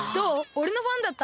おれのファンだった？